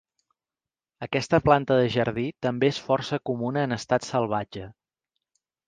Aquesta planta de jardí també és força comuna en estat salvatge.